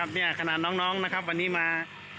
เนี่ยขนาดน้องนะครับวันนี้มา